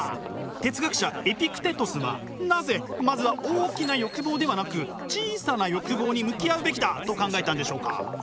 哲学者エピクテトスはなぜまずは大きな欲望ではなく小さな欲望に向き合うべきだと考えたんでしょうか？